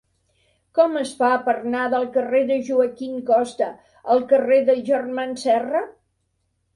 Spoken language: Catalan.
Com es fa per anar del carrer de Joaquín Costa al carrer dels Germans Serra?